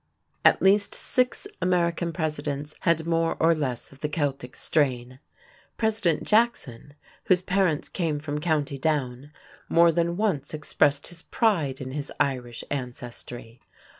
At least six American Presidents had more or less of the Celtic strain. President Jackson, whose parents came from Co. Down, more than once expressed his pride in his Irish ancestry.